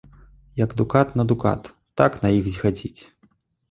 Як дукат на дукат, так на іх зіхаціць.